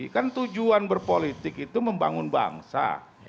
kan tujuan berpolitik itu membangun bangsa